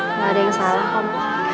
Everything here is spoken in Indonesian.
tidak ada yang salah pak